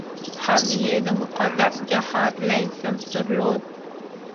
هم یې د مقدس جهاد لایسنس درلود.